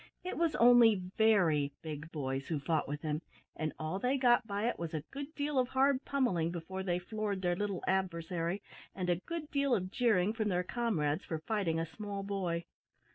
It was only very big boys who fought with him, and all they got by it was a good deal of hard pummelling before they floored their little adversary, and a good deal of jeering from their comrades for fighting a small boy.